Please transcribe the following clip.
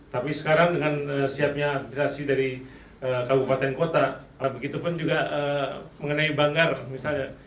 tapi sekarang dengan siapnya administrasi dari kabupaten kota begitu pun juga mengenai banggar misalnya